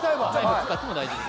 使っても大丈夫です